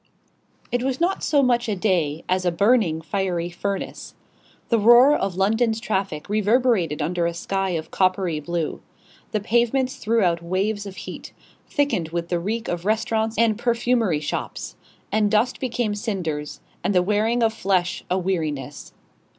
It was not so much a day as a burning, fiery furnace. The roar of London's traffic reverberated under a sky of coppery blue; the pavements threw out waves of heat, thickened with the reek of restaurants and perfumery shops; and dust became cinders, and the wearing of flesh a weariness.